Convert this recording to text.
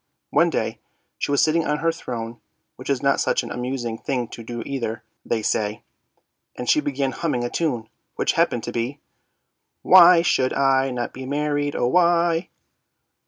One day she was sitting on her throne, which is not such an amusing thing to do either, they say; and she began humming a tune, which happened to be ' Why should I not be married, oh why